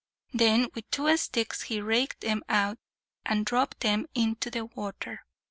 Then with two sticks he raked them out, and dropped them into the water.